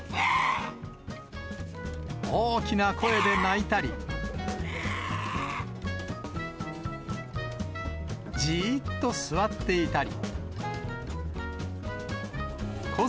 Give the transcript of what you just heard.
大きな声で鳴いたり、じーっと座っていたり。